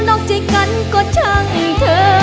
นอกใจกันก็ช่างเธอ